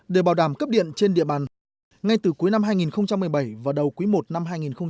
để bảo đảm cấp điện trên địa bàn ngay từ cuối năm hai nghìn một mươi bảy và đầu cuối một năm hai nghìn một mươi tám